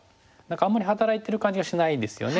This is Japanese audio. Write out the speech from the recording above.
あんまり働いてる感じがしないですよね。